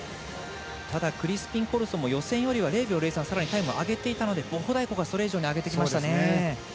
ただ、クリスピンコルソも予選よりは０秒０３タイムを上げていたのでボホダイコがそれ以上に上げてきましたね。